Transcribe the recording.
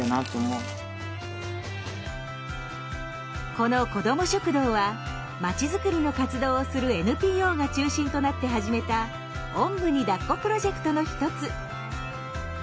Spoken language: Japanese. この子ども食堂は町づくりの活動をするＮＰＯが中心となって始めた「おんぶにだっこ」プロジェクトの一つ。